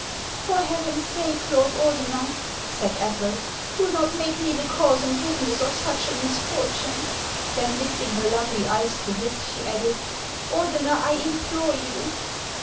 " For Heaven's sake, Lord Ordener," said Ethel, " do not make me the cause and witness of such a misfortune !" Then lifting her lovely eyes to his, she added, " Ordeuer, I implore you